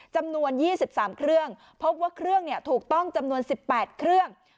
จำนวนยี่สิบสามเครื่องพบว่าเครื่องเนี่ยถูกต้องจำนวนสิบแปดเครื่อง